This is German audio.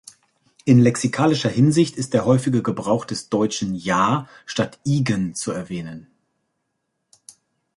In lexikalischer Hinsicht ist der häufige Gebrauch des deutschen "ja" statt "igen" zu erwähnen.